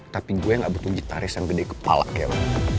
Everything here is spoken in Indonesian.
tapi gue gak butuh gitaris yang gede kepala kayak